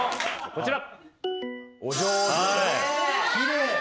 こちら。